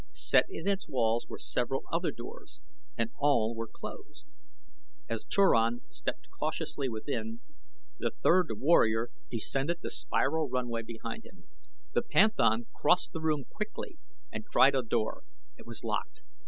Set in its walls were several other doors and all were closed. As Turan stepped cautiously within, the third warrior descended the spiral runway behind him. The panthan crossed the room quickly and tried a door. It was locked.